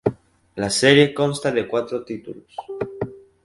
La serie consta de cuatro títulos.